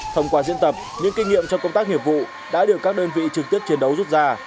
thông qua diễn tập những kinh nghiệm trong công tác nghiệp vụ đã được các đơn vị trực tiếp chiến đấu rút ra